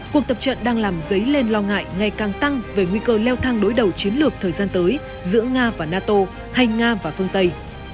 cuộc tập trận đang làm dấy lên lo ngại ngày càng tăng về nguy cơ leo thang đối đầu chiến lược thời gian tới giữa nga và nato hay nga và phương tây